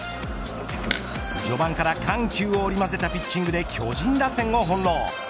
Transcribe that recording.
序盤から緩急を織り交ぜたピッチングで巨人打線を翻弄。